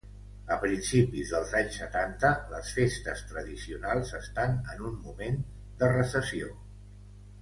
A principis dels anys setanta les festes tradicionals estan en un moment de recessió.